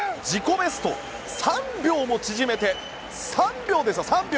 ベスト３秒も縮めて３秒ですよ、３秒！